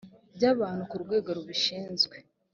ry abantu ku rwego rubishinzwe